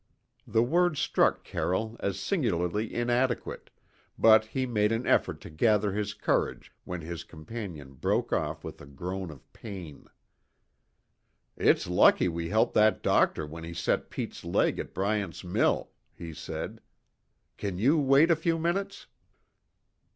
The word struck Carroll as singularly inadequate, but he made an effort to gather his courage when his companion broke off with a groan of pain. "It's lucky we helped that doctor when he set Pete's leg at Bryant's mill," he said. "Can you wait a few minutes?"